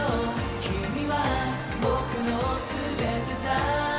君は僕の全てさ」